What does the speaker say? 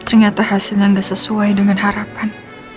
ternyata hasilnya gak sesuai dengan harapan